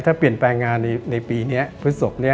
ถ้าเปลี่ยนแปลงงานในปีนี้พฤศพนี้